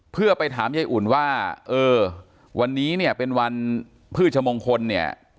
เพื่อไปถามยายอุ่นว่าเออวันนี้เนี่ยเป็นวันพืชมงคลเนี่ย